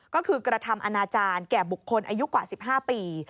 ก็คือกระทำอนาจารย์แก่บุคคลอายุกว่า๑๕ปี